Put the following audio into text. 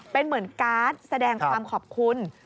เป็นเหมือนการ์ดแสดงความขอบคุณ